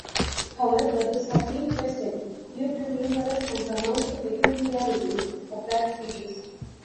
However, this has been questioned due to numerous and pronounced peculiarities of that species.